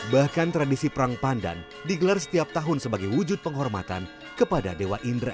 bahkan tradisi perang pandan digelar setiap tahun sebagai wujud penghormatan kepada dewa indra